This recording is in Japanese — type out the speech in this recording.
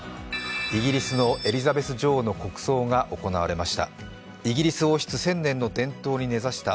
イギリスのエリザベス女王の国葬が行われました。